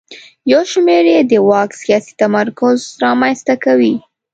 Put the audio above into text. یو شمېر یې د واک سیاسي تمرکز رامنځته کوي.